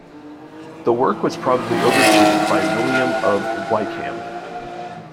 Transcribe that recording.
The work was probably overseen by William of Wykeham.